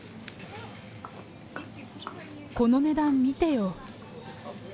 この値段見てよ。